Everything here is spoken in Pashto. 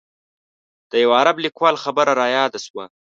د یوه عرب لیکوال خبره رایاده شوه.